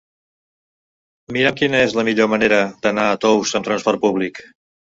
Mira'm quina és la millor manera d'anar a Tous amb transport públic.